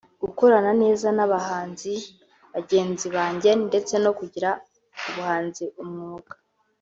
gukorana neza n’abahanzi bagenzi banjye ndetse no kugira ubuhanzi umwuga